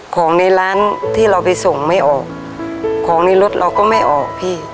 ของในร้านที่เราไปส่งไม่ออกของในรถเราก็ไม่ออกพี่